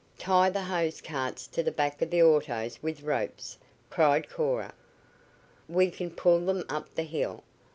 "Tie the hose carts to the back of the autos with ropes!" cried Cora. "We can pull them up the hill.